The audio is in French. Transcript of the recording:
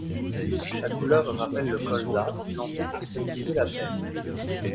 Sa couleur rappelle le colza, planté pour stabiliser la terre.